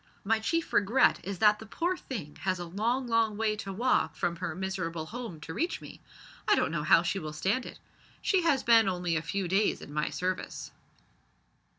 My chief regret is that the poor thing has a long long way to walk from her miserable home to reach me. I don't know how she will stand it. She has been only a few days in my service."